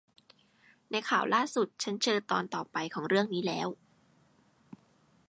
ในข่าวล่าสุด ฉันเจอตอนต่อไปของเรื่องนี้แล้ว